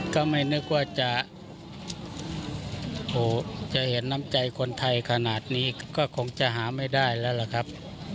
ก็ไม่นึกว่าจะเห็นน้ำใจคนไทยขนาดนี้ก็คงจะหาไม่ได้แล้วล่ะครับ